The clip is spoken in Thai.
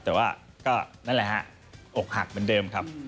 แต่ว่าก็นั่นแหละฮะอกหักเหมือนเดิมครับ